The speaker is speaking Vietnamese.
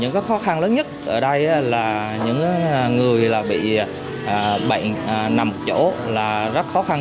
những cái khó khăn lớn nhất ở đây là những người bị bệnh nằm một chỗ là rất khó khăn